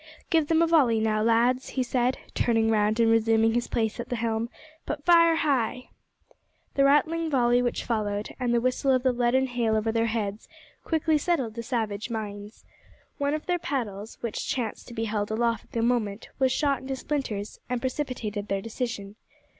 "Give them a volley now, lads," he said, turning round and resuming his place at the helm; "but fire high." The rattling volley which followed, and the whistle of the leaden hail over their heads, quickly settled the savage minds. One of their paddles, which chanced to be held aloft at the moment, was shot into splinters, and precipitated their decision.